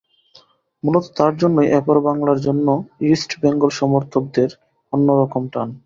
মূলত তাঁর জন্যই এপার বাংলার জন্য ইস্ট বেঙ্গল সমর্থকদের অন্য রকম টান।